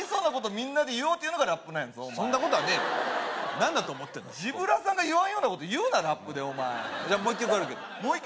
みんなで言おうってのがラップやそんなことはねえわ何だと思ってんだＺｅｅｂｒａさんが言わんようなこと言うなラップでお前じゃもう１曲あるけどもう１曲？